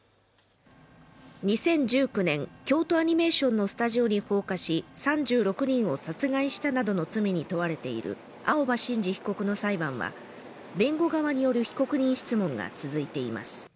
２０１９年京都アニメーションのスタジオに放火し３６人を殺害したなどの罪に問われている青葉真司被告の裁判は弁護側による被告人質問が続いています